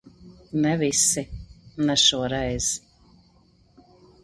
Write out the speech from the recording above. Ne visi. Ne šoreiz.